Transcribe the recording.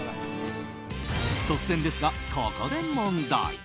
突然ですが、ここで問題。